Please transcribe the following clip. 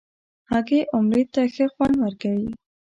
هګۍ اوملت ته ښه خوند ورکوي.